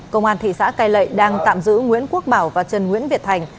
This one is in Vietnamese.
công an thị xã cây lậy đang tạm giữ nguyễn quốc bảo và trần nguyễn việt thành